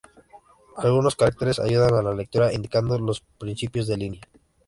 Algunos caracteres ayudan a la lectura indicando los principios de línea.